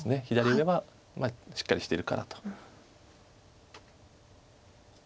左上はしっかりしてるからと。